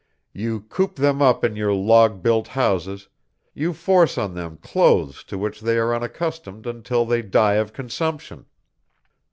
You coop them up in your log built houses, you force on them clothes to which they are unaccustomed until they die of consumption.